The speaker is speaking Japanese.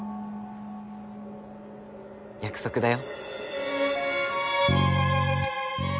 約束だよ。